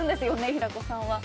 平子さんは。